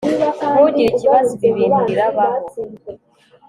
ntugire ikibazo. ibi bintu birabaho